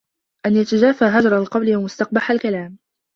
أَنْ يَتَجَافَى هَجَرَ الْقَوْلِ وَمُسْتَقْبَحَ الْكَلَامِ